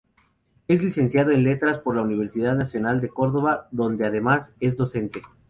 Es Licenciado en Letras por la Universidad Nacional de Córdoba, donde además es docente.